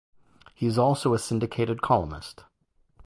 He is also a syndicated columnist.